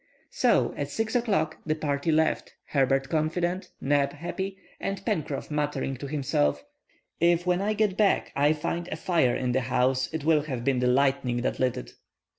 So, at 6 o'clock, the party left, Herbert confident. Neb happy, and Pencroff muttering to himself:— "If, when I get back I find a fire in the house, it will have been the lightning that lit it!"